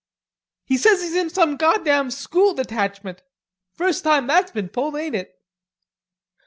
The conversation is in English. "He says he's in some goddam School Detachment. First time that's been pulled, ain't it?"